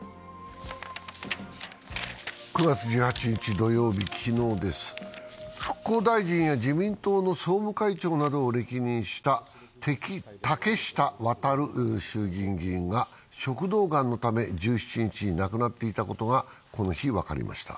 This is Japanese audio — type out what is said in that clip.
９月１８日土曜日、昨日です復興大臣や自民党の総務会長などを歴任した竹下亘衆議院議員が食道がんのため１７日に亡くなっていたことがこの日、わかりました。